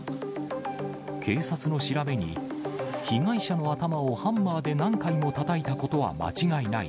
警察の調べに、被害者の頭をハンマーで何回もたたいたことは間違いない。